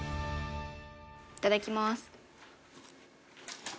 いただきます。